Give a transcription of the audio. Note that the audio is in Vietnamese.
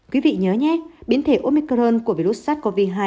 quý vị nhớ nhét biến thể omicron của virus sars cov hai